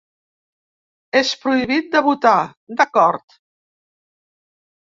És prohibit de votar, d’acord!